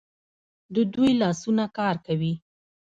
د دوی لاسونه کار کوي.